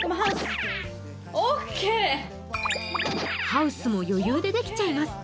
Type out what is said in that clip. ハウスも余裕で出来ちゃいます。